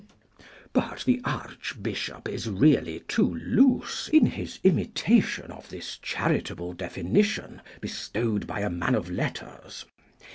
_ But the Archbishop is really too loose in his imitation of this charitable definition bestowed by a man of letters.